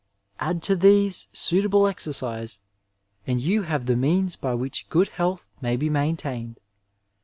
Add to these suitable exevoifle and you have the means by which good health may be maintained.